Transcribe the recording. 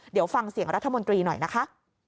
เดี๋ยวฟังเสียงรัฐมนตรีหน่อยนะคะ